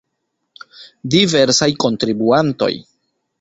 Diversaj kontribuantoj.